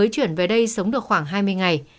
chuyển về đây sống được khoảng hai mươi ngày